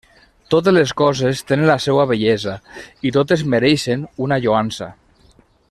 Totes les coses tenen la seua bellesa i totes mereixen una lloança.